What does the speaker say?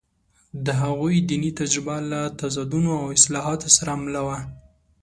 د هغوی دیني تجربه له تضادونو او اصلاحاتو سره مله وه.